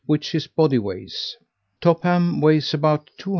which his body weighs. Topham weighs about 200 lib.